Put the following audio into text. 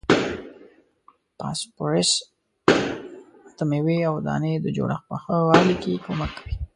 فاسفورس د میوې او دانې د جوړښت په ښه والي کې کومک کوي.